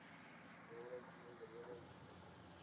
Su obra es muy variada y extensa.